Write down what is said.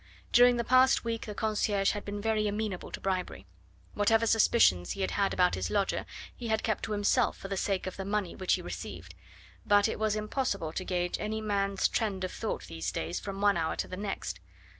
During the past week the concierge had been very amenable to bribery. Whatever suspicions he had had about his lodger he had kept to himself for the sake of the money which he received; but it was impossible to gauge any man's trend of thought these days from one hour to the next.